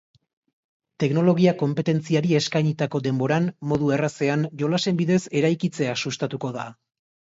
Teknologia konpetentziari eskainitako denboran, modu errazean, jolasen bidez eraikitzea sustatuko da.